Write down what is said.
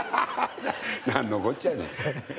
なんのこっちゃねん。